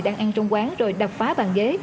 đang ăn trong quán rồi đập phá bàn ghế